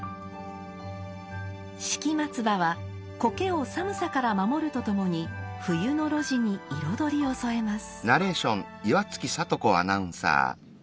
敷松葉は苔を寒さから守るとともに冬の露地に彩りを添えます。